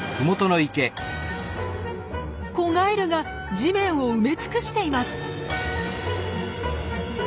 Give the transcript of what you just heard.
子ガエルが地面を埋め尽くしています！